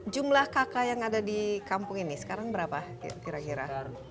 jumlah kakak yang ada di kampung ini sekarang berapa kira kira